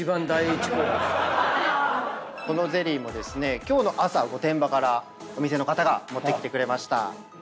このゼリーもですね今日の朝御殿場からお店の方が持ってきてくれました。